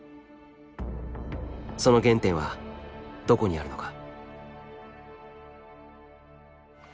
その原点はどこにあるのか。